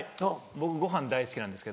僕ご飯大好きなんですけど。